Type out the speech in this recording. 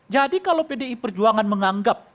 jadi kalau pdi perjuangan menganggap